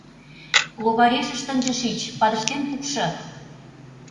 Логарешышт ынже шич, падыштен пукшо!